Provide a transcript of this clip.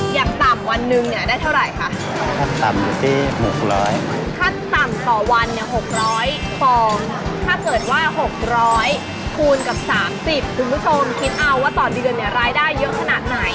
อยากต่ำวันหนึ่งเนี่ยได้เท่าไหร่ค่ะถ้าต่ำต่อวันเนี่ย๖๐๐ฟองถ้าเกิดว่า๖๐๐คูณกับ๓๐ถึงผู้ชมคิดเอาว่าตอนเดือนเนี่ยรายได้เยอะขนาดไหน